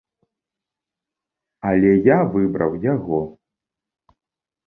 Але я выбраў яго.